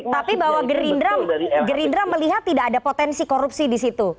tapi bahwa gerindra melihat tidak ada potensi korupsi di situ